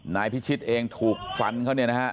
นายพิชิตเองถูกฟันเขาเนี่ยนะฮะ